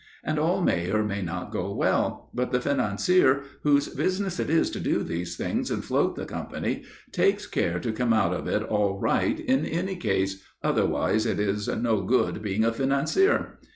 And all may or may not go well; but the financier, whose business it is to do these things and float the company, takes care to come out of it all right in any case otherwise it is no good being a financier.